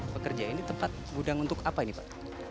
pekerja ini tempat gudang untuk apa ini pak